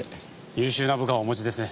優秀な部下をお持ちですね。